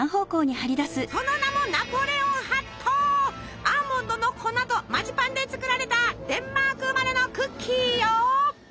その名もアーモンドの粉とマジパンで作られたデンマーク生まれのクッキーよ。